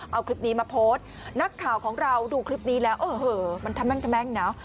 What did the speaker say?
เอาคลิปนี้มาโพสต์นักข่าวของเราดูคลิปนี้แล้วโอ้โหมันทะแม่งทะแม่งนะ